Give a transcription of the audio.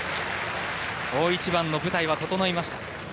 大一番の舞台は整いました。